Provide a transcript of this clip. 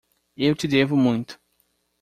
Eu te devo muito.